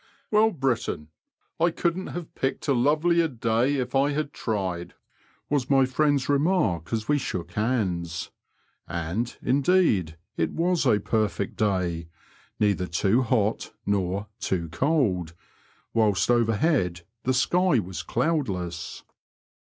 '< Well, Brittain, I couldn't have picked a lovelier day if I had tried," was my friend's remark as we shook hands ; and, indeed, it was a perfect day — ^neither too hot nor too cold, whilst overhead the sky was cloudless.